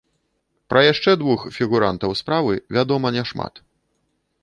Пра яшчэ двух фігурантаў справы вядома няшмат.